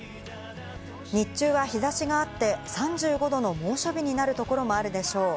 日中は日差しがあって、３５度の猛暑日になるところもあるでしょう。